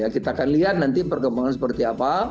kita akan lihat nanti perkembangan seperti apa